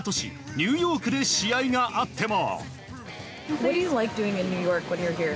ニューヨークで試合があっても。